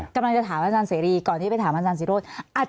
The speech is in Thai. กำลังจะถามอาจารย์เสรีก่อนที่ไปถามอาจารย์ศิโรธ